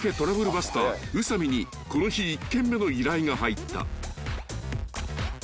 バスター宇佐美にこの日１件目の依頼が入った］